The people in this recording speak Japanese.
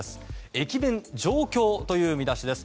駅弁上京という見出しです。